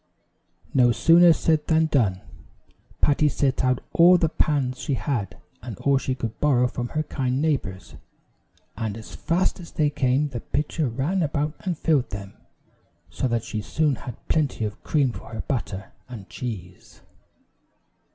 No sooner said than done. Patty set out all the pans she had, and all she could borrow from her kind neighbors, and as fast as they came the pitcher ran about and filled them; so that she soon had plenty of cream for her butter and cheese.